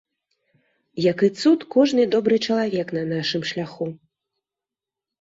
Як і цуд кожны добры чалавек на нашым шляху.